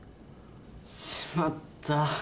しまった。